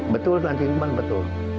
betul kan cinta perumpan betul